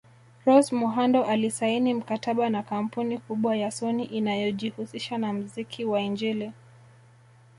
Rose Muhando alisaini mkataba na kampuni kubwa ya sony inayojihusisha na mziki wa injili